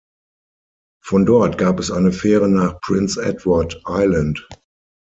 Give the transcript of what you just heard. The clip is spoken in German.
Von dort gab es eine Fähre nach Prince Edward Island.